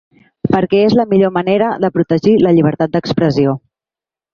Perquè és la millor manera de protegir la llibertat d’expressió.